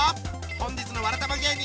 本日のわらたま芸人